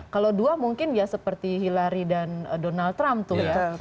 kalau dua mungkin ya seperti hillary dan donald trump tuh ya